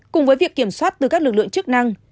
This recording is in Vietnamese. cùng với việc kiểm soát từ các lực lượng chức năng